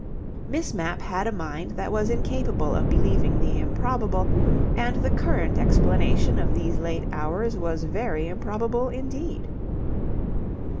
Miss Mapp had a mind that was incapable of believing the improbable, and the current explanation of these late hours was very improbable, indeed.